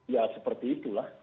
ya seperti itulah